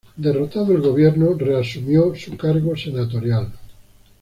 Derrotado el gobierno reasumió su cargo senatorial.